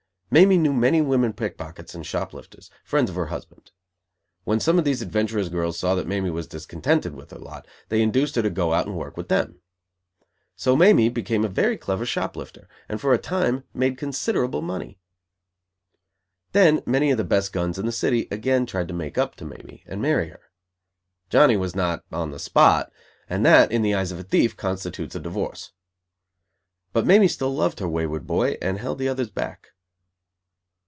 Mamie knew many women pickpockets and shop lifters, friends of her husband. When some of these adventurous girls saw that Mamie was discontented with her lot, they induced her to go out and work with them. So Mamie became a very clever shop lifter, and, for a time, made considerable money. Then many of the best "guns" in the city again tried to make up to Mamie, and marry her. Johnny was not on the spot, and that, in the eyes of a thief, constitutes a divorce. But Mamie still loved her wayward boy and held the others back.